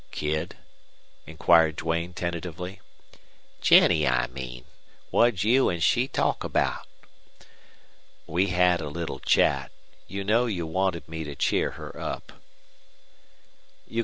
"Kid?" inquired Duane, tentatively. "Jennie, I mean. What'd you An' she talk about?" "We had a little chat. You know you wanted me to cheer her up."